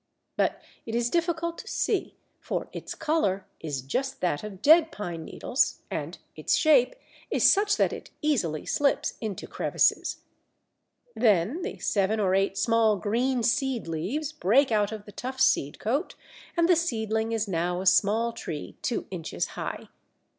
But it is difficult to see, for its colour is just that of dead pine needles and its shape is such that it easily slips into crevices. Then the seven or eight small green seed leaves break out of the tough seed coat, and the seedling is now a small tree two inches high.